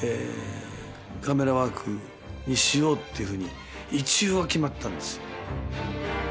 カメラワークにしようっていうふうに一応は決まったんですよ。